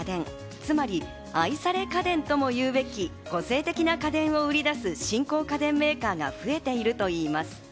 つまり愛され家電ともいうべき個性的な家電を売り出す新興家電メーカーが増えているといいます。